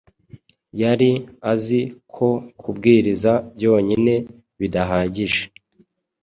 Yari azi ko kubwiriza byonyine bidahagije